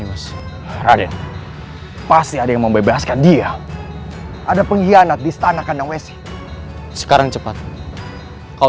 ini raden pasti ada yang membebaskan dia ada pengkhianat di setan akan wc sekarang cepat kau